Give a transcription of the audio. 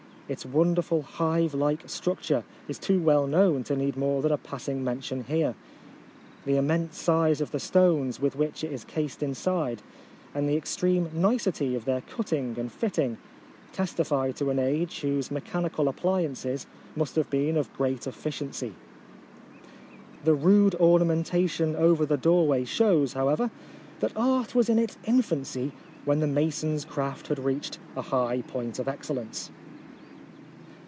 Its wonderful hive like structure is too well known to need more than a passing mention here. The immense size of the stones with which it is cased inside, and the ex treme nicety of their cutting and fitting, testify to an age whose me chanical appliances must have been of great efficiency. The rude orna mentation over the doorway shows, however, that art was in its infancy when the mason's craft had reached a high point of excellence.